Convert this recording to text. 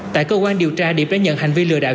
tại cơ quan điều tra điệp đã nhận hành vi lừa đảo